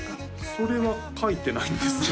それは書いてないんですよ